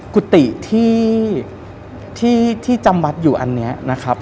กุฏิที่จำวัดอยู่อันนี้นะครับ